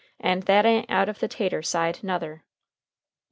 And that a'n't out of the tater side, nuther."